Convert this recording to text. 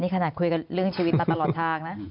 ขนาดคุยกันเรื่องชีวิตมาตลอดทางนะ